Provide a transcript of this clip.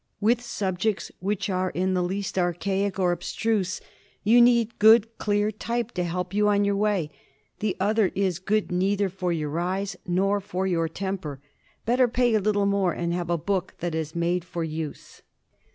With subjects which are in the least archaic or abstruse you need good clear type to help you on your way. The other is good neither for your eyes nor for your temper. Better pay a little more and have a book that is made for use.